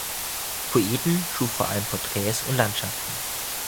Poeten schuf vor allem Porträts und Landschaften.